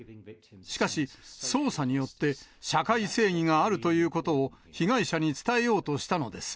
しかし、捜査によって、社会正義があるということを被害者に伝えようとしたのです。